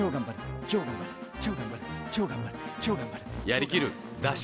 やりきる出し